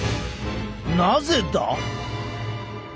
なぜだ？